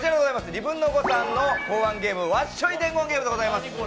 ニブンノゴ！さんの考案ゲーム「わっしょい伝言ゲーム」でございます。